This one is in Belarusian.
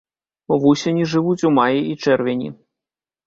Вусені жывуць у маі і чэрвені.